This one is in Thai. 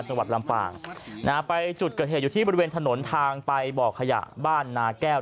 จังหวัดลำปางนะฮะไปจุดเกิดเหตุอยู่ที่บริเวณถนนทางไปบ่อขยะบ้านนาแก้ว